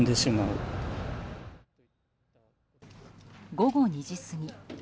午後２時過ぎ。